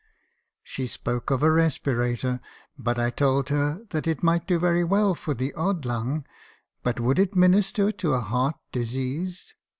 She spoke of a respirator; but I told her that might do very well for the odd lung; but would it minister to a heart diseased?